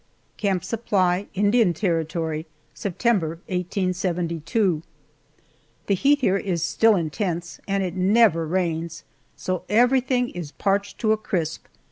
CAMP SUPPLY, INDIAN TERRITORY, September, 1872. THE heat here is still intense, and it never rains, so everything is parched to a crisp.